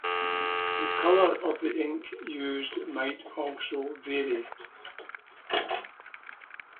The colour of the ink used might also vary.